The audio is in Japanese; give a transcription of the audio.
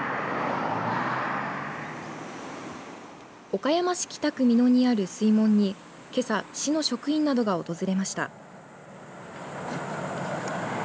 岡山市北区三野にある水門にけさ市の職員などが訪れました。